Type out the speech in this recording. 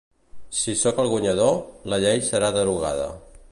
Si sóc el guanyador, la llei serà derogada.